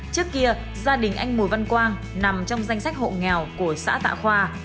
trước kia gia đình anh mùi văn quang nằm trong danh sách hộ nghèo của xã tạ khoa